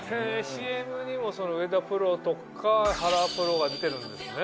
ＣＭにも上田プロとか原プロが出てるんですね。